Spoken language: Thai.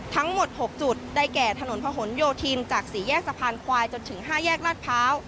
ทั้งหมด๖จุดได้แก่ถนนพะหนโยธินจากสี่แยกสะพานควายจนถึง๕แยกลาดพร้าว